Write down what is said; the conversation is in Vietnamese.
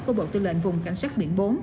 của bộ tư lệnh vùng cảnh sát biển bốn